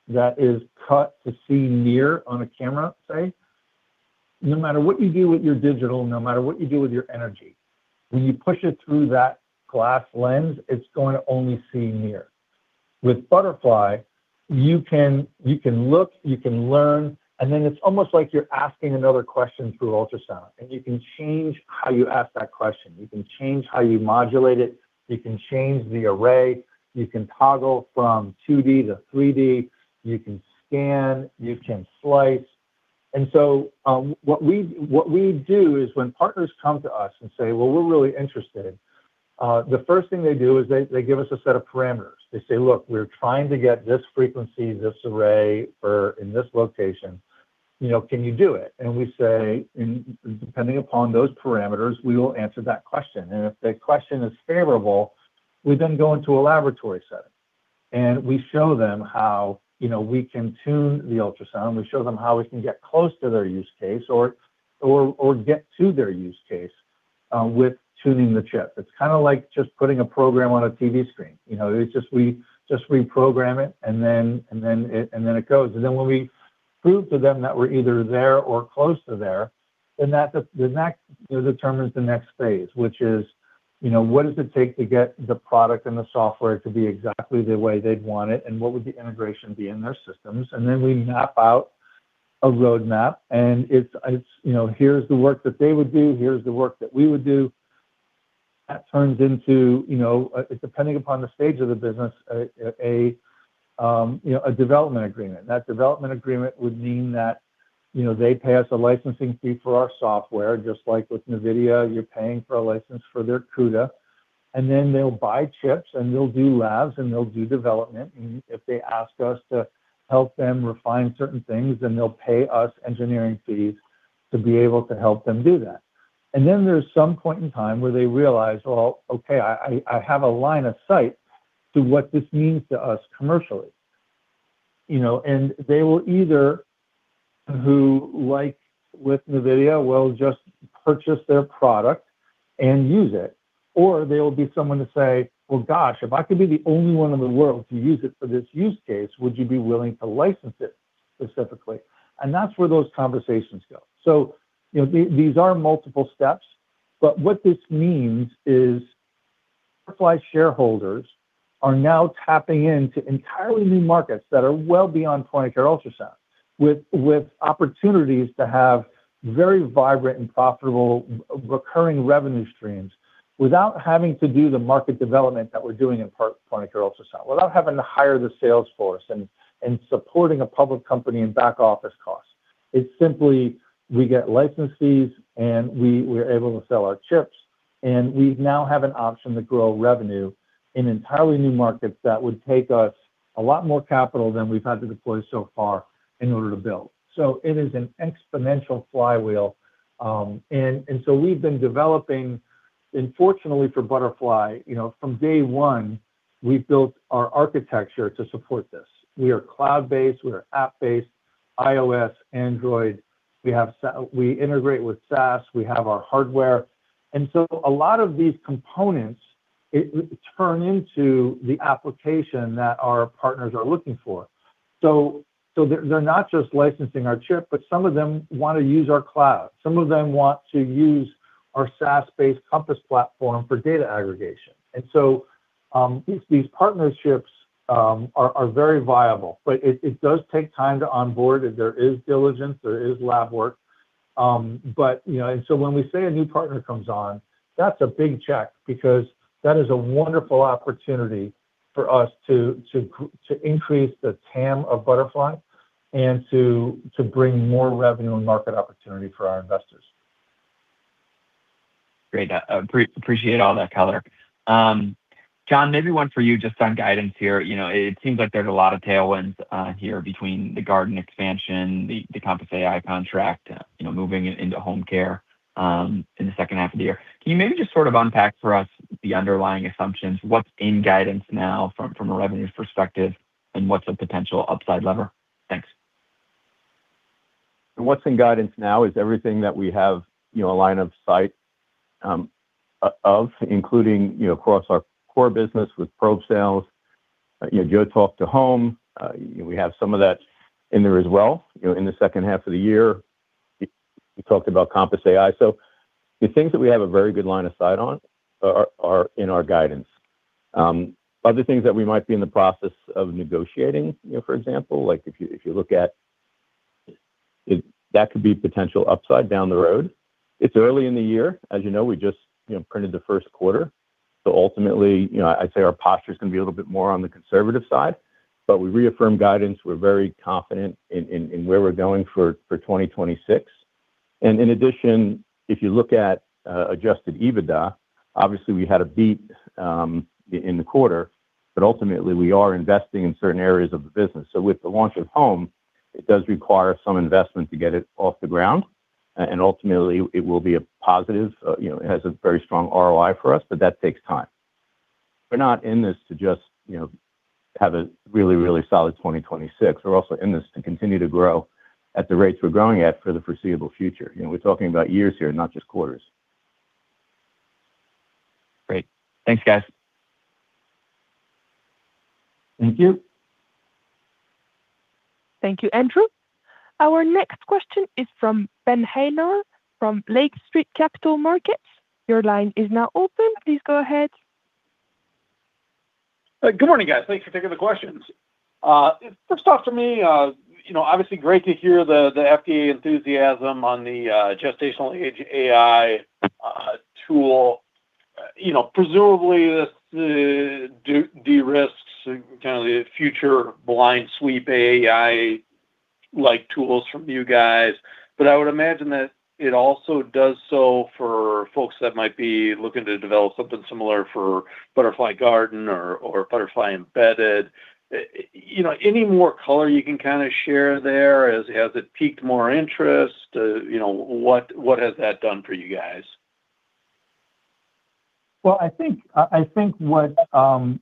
that is cut to see near on a camera, say, no matter what you do with your digital, no matter what you do with your energy, when you push it through that glass lens, it's going to only see near. With Butterfly, you can look, you can learn, and then it's almost like you're asking another question through ultrasound, and you can change how you ask that question. You can change how you modulate it. You can change the array. You can toggle from 2D to 3D. You can scan, you can slice. What we do is when partners come to us and say, "Well, we're really interested," the first thing they do is they give us a set of parameters. They say, "Look, we're trying to get this frequency, this array, or in this location. You know, can you do it?" We say, "Depending upon those parameters, we will answer that question." If the question is favorable, we then go into a laboratory setting, and we show them how, you know, we can tune the ultrasound. We show them how we can get close to their use case or get to their use case with tuning the chip. It's kind of like just putting a program on a TV screen. You know, it's just we just reprogram it, and then it goes. When we prove to them that we're either there or close to there, then that determines the next phase, which is, you know, what does it take to get the product and the software to be exactly the way they'd want it, and what would the integration be in their systems? We map out a roadmap, and it's, you know, here's the work that they would do, here's the work that we would do. That turns into, you know, depending upon the stage of the business, a, you know, a development agreement. That development agreement would mean that, you know, they pay us a licensing fee for our software, just like with NVIDIA, you're paying for a license for their CUDA. They'll buy chips, and they'll do labs, and they'll do development. If they ask us to help them refine certain things, then they'll pay us engineering fees to be able to help them do that. Then there's some point in time where they realize, "Well, okay, I have a line of sight to what this means to us commercially." You know, and they will either, who, like with NVIDIA, will just purchase their product and use it, or they will be someone to say, "Well, gosh, if I could be the only one in the world to use it for this use case, would you be willing to license it specifically?" And that's where those conversations go. You know, these are multiple steps, but what this means is Butterfly shareholders are now tapping into entirely new markets that are well beyond point-of-care ultrasound with opportunities to have very vibrant and profitable recurring revenue streams without having to do the market development that we're doing in point-of-care ultrasound, without having to hire the sales force and supporting a public company in back office costs. It's simply we get license fees, and we're able to sell our chips, and we now have an option to grow revenue in entirely new markets that would take us a lot more capital than we've had to deploy so far in order to build. It is an exponential flywheel. We've been developing. Fortunately for Butterfly, you know, from day one, we've built our architecture to support this. We are cloud-based. We are app-based, iOS, Android. We integrate with SaaS. We have our hardware. A lot of these components, it turn into the application that our partners are looking for. They're not just licensing our chip, but some of them wanna use our cloud. Some of them want to use our SaaS-based Compass platform for data aggregation. These partnerships are very viable, but it does take time to onboard. There is diligence, there is lab work. But, you know, when we say a new partner comes on, that's a big check because that is a wonderful opportunity for us to increase the TAM of Butterfly and to bring more revenue and market opportunity for our investors. Great. Appreciate all that color. John, maybe one for you just on guidance here. You know, it seems like there's a lot of tailwinds here between the Garden expansion, the Compass AI contract, you know, moving into home care in the second half of the year. Can you maybe just sort of unpack for us the underlying assumptions? What's in guidance now from a revenue perspective, and what's a potential upside lever? Thanks. What's in guidance now is everything that we have, you know, a line of sight, of, including, you know, across our core business with probe sales. You know, Joe talked to home. You know, we have some of that in there as well. You know, in the second half of the year, you talked about Compass AI. The things that we have a very good line of sight on are in our guidance. Other things that we might be in the process of negotiating. You know, for example, like if you look at, that could be potential upside down the road. It's early in the year. As you know, we just, you know, printed the first quarter. Ultimately, you know, I'd say our posture's gonna be a little bit more on the conservative side, but we reaffirm guidance. We're very confident in where we're going for 2026. In addition, if you look at adjusted EBITDA, obviously we had a beat in the quarter, ultimately we are investing in certain areas of the business. With the launch of Home, it does require some investment to get it off the ground, and ultimately it will be a positive. You know, it has a very strong ROI for us, that takes time. We're not in this to just, you know, have a really solid 2026. We're also in this to continue to grow at the rates we're growing at for the foreseeable future. You know, we're talking about years here, not just quarters. Great. Thanks, guys. Thank you. Thank you, Andrew. Our next question is from Ben Haynor from Lake Street Capital Markets. Your line is now open. Please go ahead. Good morning, guys. Thanks for taking the questions. First off for me, you know, obviously great to hear the FDA enthusiasm on the gestational age AI tool. You know, presumably this derisks kinda the future blind sweep AI like tools from you guys. I would imagine that it also does so for folks that might be looking to develop something similar for Butterfly Garden or Butterfly Embedded. You know, any more color you can kinda share there? Has it piqued more interest? You know, what has that done for you guys? Well, I think, I think what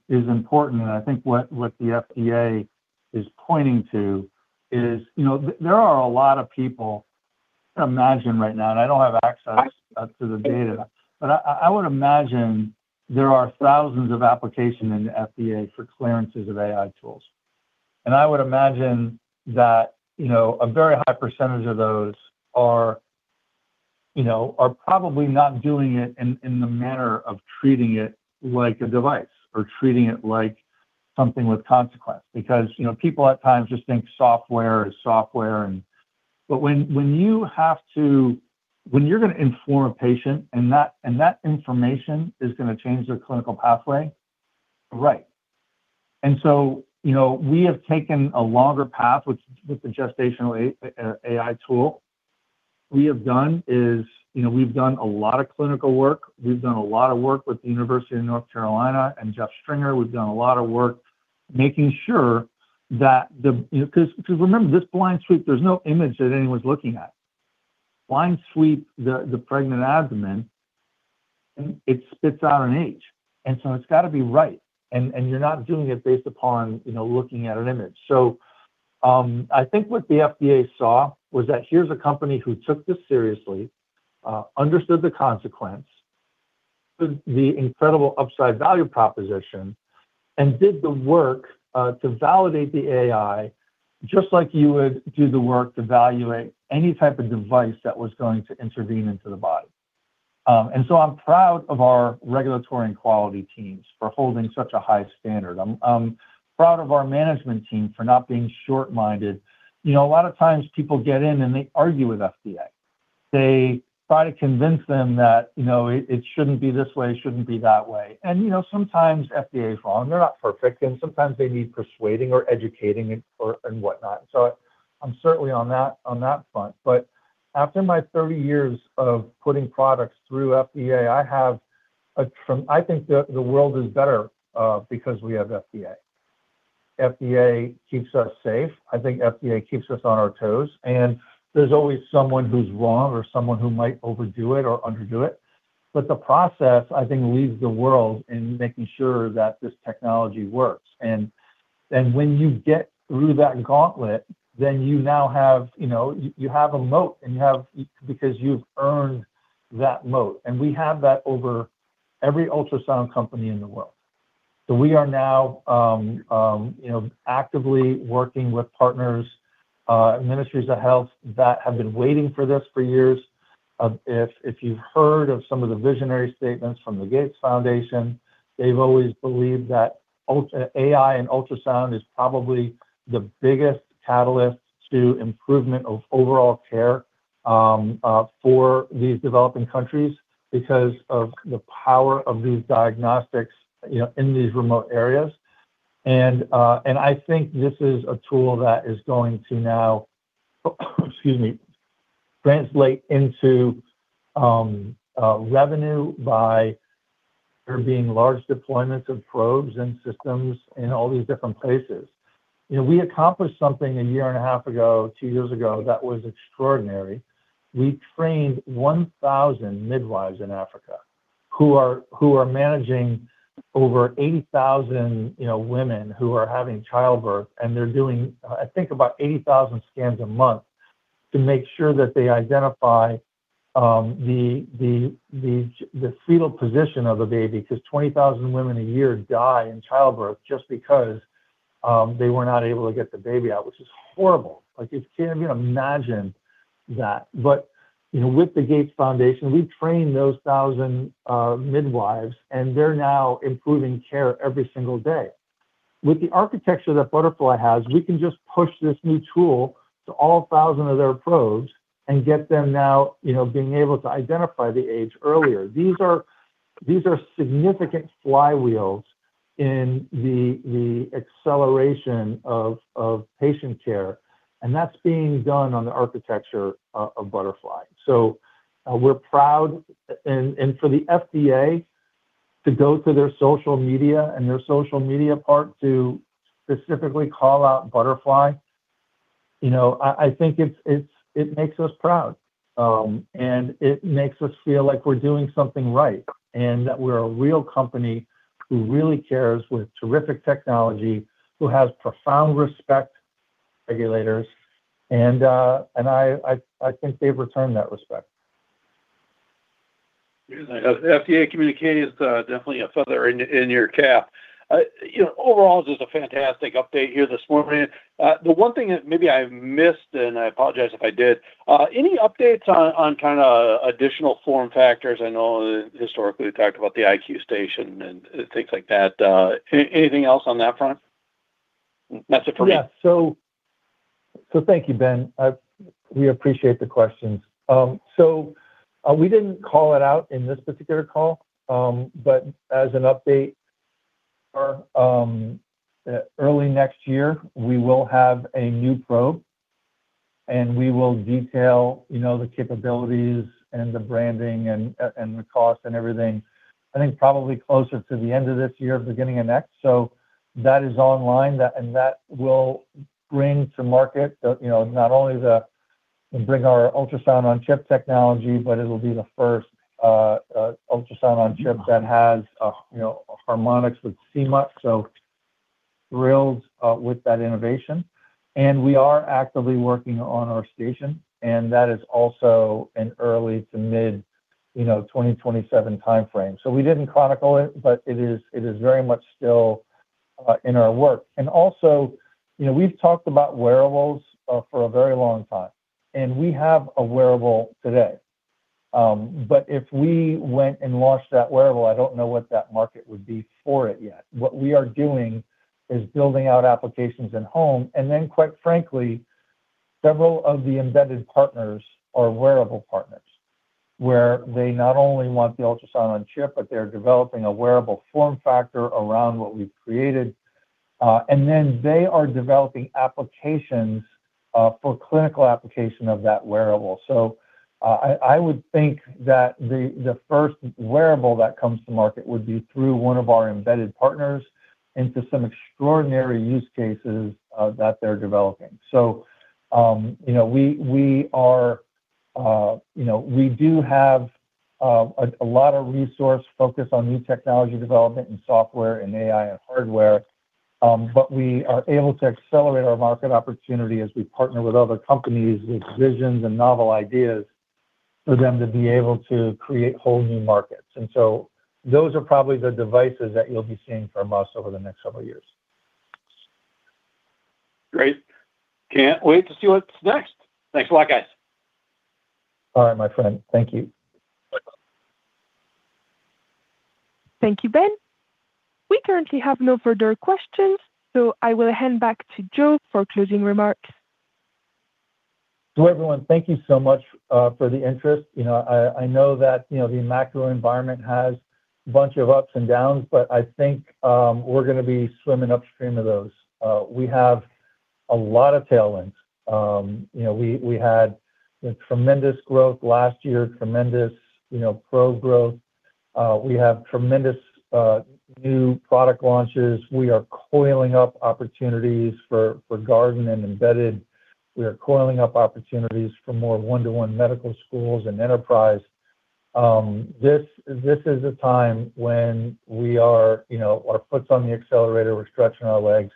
is important, I think what the FDA is pointing to is, you know, there are a lot of people I imagine right now, I don't have access to the data. I would imagine there are thousands of applications in the FDA for clearances of AI tools. I would imagine that, you know, a very high percentage of those are, you know, probably not doing it in the manner of treating it like a device or treating it like something with consequence. You know, people at times just think software is software. When you're gonna inform a patient and that information is gonna change their clinical pathway, right. You know, we have taken a longer path with the Gestational AI tool. We've done a lot of clinical work. We've done a lot of work with the University of North Carolina and Jeffrey Stringer. We've done a lot of work making sure. You know, cause remember, this blind sweep, there's no image that anyone's looking at. Blind sweep the pregnant abdomen, and it spits out an age, and so it's gotta be right. You're not doing it based upon, you know, looking at an image. I think what the FDA saw was that here's a company who took this seriously, understood the consequence, the incredible upside value proposition, and did the work to validate the AI, just like you would do the work to validate any type of device that was going to intervene into the body. I'm proud of our regulatory and quality teams for holding such a high standard. I'm proud of our management team for not being short-minded. You know, a lot of times people get in and they argue with FDA. They try to convince them that, you know, it shouldn't be this way, it shouldn't be that way. You know, sometimes FDA is wrong. They're not perfect, and sometimes they need persuading or educating and whatnot. I'm certainly on that, on that front. After my 30 years of putting products through FDA, I think the world is better because we have FDA. FDA keeps us safe. I think FDA keeps us on our toes, and there's always someone who's wrong or someone who might overdo it or underdo it. The process, I think, leaves the world in making sure that this technology works. When you get through that gauntlet, then you now have, you have a moat, and you have because you've earned that moat. We have that over every ultrasound company in the world. We are now actively working with partners, ministries of health that have been waiting for this for years. If, if you've heard of some of the visionary statements from the Gates Foundation, they've always believed that AI and ultrasound is probably the biggest catalyst to improvement of overall care for these developing countries because of the power of these diagnostics, you know, in these remote areas. I think this is a tool that is going to now, excuse me, translate into revenue by there being large deployments of probes and systems in all these different places. You know, we accomplished something a year and a half ago, two years ago, that was extraordinary. We trained 1,000 midwives in Africa who are managing over 80,000, you know, women who are having childbirth, and they're doing, I think about 80,000 scans a month to make sure that they identify the fetal position of the baby. 20,000 women a year die in childbirth just because they were not able to get the baby out, which is horrible. Like, you can't even imagine that. You know, with the Gates Foundation, we've trained those 1,000 midwives, and they're now improving care every single day. With the architecture that Butterfly has, we can just push this new tool to all 1,000 of their probes and get them now, you know, being able to identify the age earlier. These are significant flywheels in the acceleration of patient care, and that's being done on the architecture of Butterfly. We're proud. For the FDA to go to their social media part to specifically call out Butterfly, you know, I think it makes us proud. It makes us feel like we're doing something right, and that we're a real company who really cares with terrific technology, who has profound respect regulators, and I think they've returned that respect. The FDA communicating is definitely a feather in your cap. You know, overall, just a fantastic update here this morning. The one thing that maybe I missed, and I apologize if I did, any updates on kinda additional form factors? I know historically we talked about the iQ station and things like that. Anything else on that front? That's it for me. Thank you, Ben. We appreciate the questions. We didn't call it out in this particular call, but as an update, early next year, we will have a new probe and we will detail, you know, the capabilities and the branding and the cost and everything. I think probably closer to the end of this year, beginning of next. That is online. That will bring to market the, you know, not only bring our ultrasound on chip technology, but it'll be the first ultrasound on chip that has, you know, harmonics with CMUT, so thrilled with that innovation. We are actively working on our station, and that is also in early to mid, you know, 2027 timeframe. We didn't chronicle it, but it is very much still in our work. Also, you know, we've talked about wearables for a very long time, and we have a wearable today. If we went and launched that wearable, I don't know what that market would be for it yet. What we are doing is building out applications in home, and then, quite frankly, several of the embedded partners are wearable partners, where they not only want the ultrasound on chip, but they're developing a wearable form factor around what we've created. Then they are developing applications for clinical application of that wearable. I would think that the first wearable that comes to market would be through one of our embedded partners into some extraordinary use cases that they're developing. You know, we are, you know, we do have a lot of resource focus on new technology development and software and AI and hardware. But we are able to accelerate our market opportunity as we partner with other companies with visions and novel ideas for them to be able to create whole new markets. Those are probably the devices that you'll be seeing from us over the next several years. Great. Can't wait to see what's next. Thanks a lot, guys. All right, my friend. Thank you. Bye-bye. Thank you, Ben. We currently have no further questions, so I will hand back to Joe for closing remarks. Everyone, thank you so much for the interest. You know, I know that the macro environment has a bunch of ups and downs, but I think we're gonna be swimming upstream of those. We have a lot of tailwinds. You know, we had tremendous growth last year, tremendous, you know, probe growth. We have tremendous new product launches. We are coiling up opportunities for Garden and Embedded. We are coiling up opportunities for more one-to-one medical schools and enterprise. This is a time when we are, you know, our foot's on the accelerator, we're stretching our legs,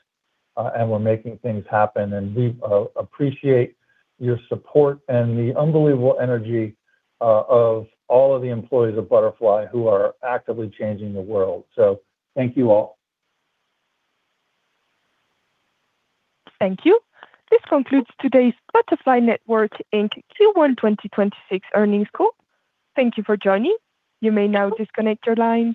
and we're making things happen. We appreciate your support and the unbelievable energy of all of the employees of Butterfly who are actively changing the world. Thank you all. Thank you. This concludes today's Butterfly Network Inc Q1 2026 Earnings Call. Thank you for joining. You may now disconnect your lines.